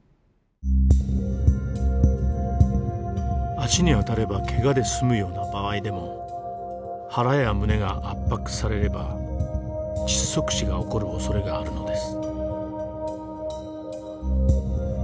足に当たればけがで済むような場合でも腹や胸が圧迫されれば窒息死が起こるおそれがあるのです。